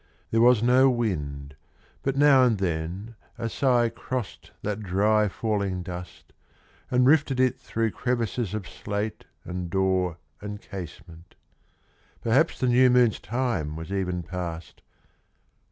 There was no wind, but now and then a sigh Crossed that dry falling dust and rifted it Through crevices of slate and door and casement. Perhaps the new moon's time was even past.